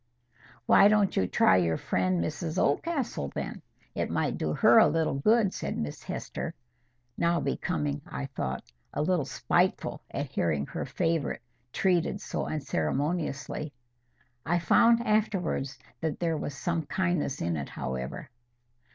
"Why don't you try your friend Mrs Oldcastle, then? It might do her a little good," said Miss Hester, now becoming, I thought, a little spiteful at hearing her favourite treated so unceremoniously. I found afterwards that there was some kindness in it, however.